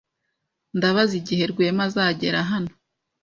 Ndabaza igihe Rwema azagera hano.